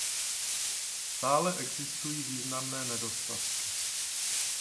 Stále existují významné nedostatky.